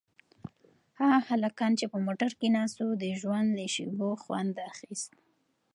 هغه هلکان چې په موټر کې ناست وو د ژوند له شېبو خوند اخیست.